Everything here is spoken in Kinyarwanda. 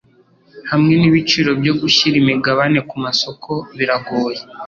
hamwe n’ibiciro byo gushyira imigabane kumasoko biragoye